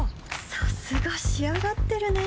さすが仕上がってるね